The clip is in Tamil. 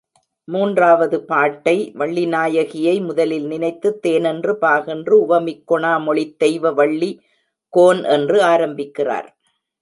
மூன்றாவது பாட்டை வள்ளிநாயகியை முதலில் நினைத்து, தேனென்று பாகென்று உவமிக் கொணா மொழித் தெய்வவள்ளி, கோன் என்று ஆரம்பிக்கிறார்.